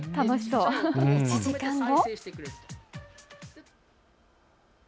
１時間後。